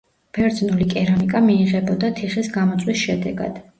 ბერძნული კერამიკა მიიღებოდა თიხის გამოწვის შედეგად.